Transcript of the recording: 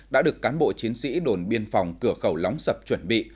đã được cán bộ chiến sĩ đồn biên phòng cửa khẩu lóng sập chuẩn bị